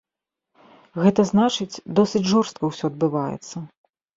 Гэта значыць, досыць жорстка ўсё адбываецца.